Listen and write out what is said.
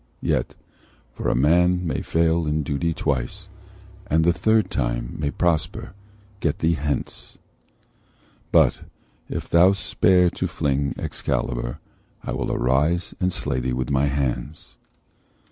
Yet, for a man may fail in duty twice, And the third time may prosper, get thee hence: But, if thou spare to fling Excalibur, I will arise and slay thee with my hands."